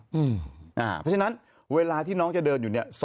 เพราะฉะนั้นเวลาที่น้องจะเดินอยู่เนี่ย